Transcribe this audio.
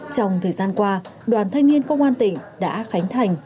trong thời gian qua đoàn thanh niên công an tỉnh đã khánh thành